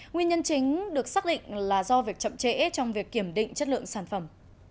nguyên nhân chính được xác định là do việc chậm trễ trong việc kiểm định chất lượng sản phẩm